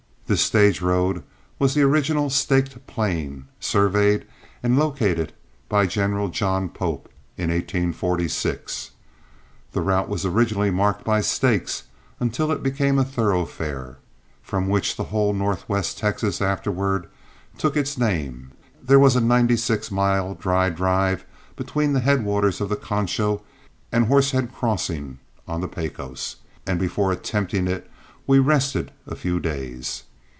This stage road was the original Staked Plain, surveyed and located by General John Pope in 1846. The route was originally marked by stakes, until it became a thoroughfare, from which the whole of northwest Texas afterward took its name. There was a ninety six mile dry drive between the headwaters of the Concho and Horsehead Crossing on the Pecos, and before attempting it we rested a few days.